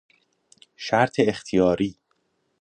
شرط اختیاری